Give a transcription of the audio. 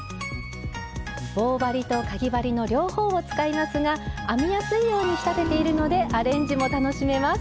棒針とかぎ針の両方を使いますが編みやすいように仕立てているのでアレンジも楽しめます。